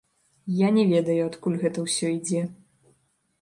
Я не ведаю, адкуль гэта ўсё ідзе.